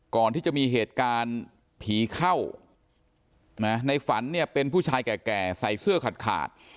ก่อนที่จะมีเหตุการณ์ผีเข้าในฝันเนี่ยเป็นผู้ชายแก่ใส่เสื้อขาดขาด